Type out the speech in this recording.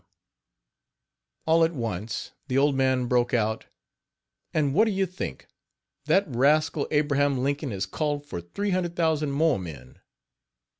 All at once the old man broke out: "And what do you think! that rascal, Abraham Lincoln, has called for 300,000 more men.